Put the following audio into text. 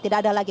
tidak ada lagi